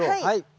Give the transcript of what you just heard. はい。